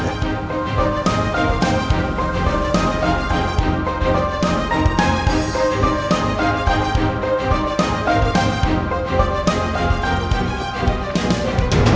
aku akan mencari kebenaran